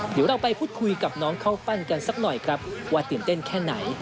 เดี๋ยวเราไปพูดคุยกับน้องเข้าปั้นกันสักหน่อยครับว่าตื่นเต้นแค่ไหน